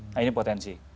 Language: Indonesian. nah ini potensi